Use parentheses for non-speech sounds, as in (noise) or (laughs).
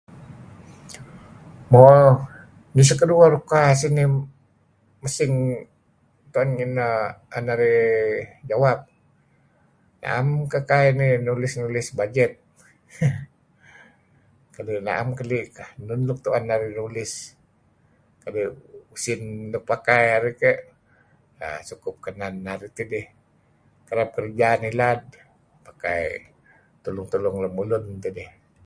Mo. nih suk keduah ruka sinih mesing tu'en narih jawap. Na'em kekaih inih nulis-nukis bajet (laughs) kadi am kekeli' enun tu'en narih nulis kadi' usin luk pakai arih keh sukup kenen narih tidih. Kereb kerja ngilad pakai tulung-tulung lemulun tidih.